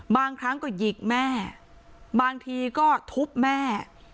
บางครั้งก็หยิกแม่บางทีก็ทุบแม่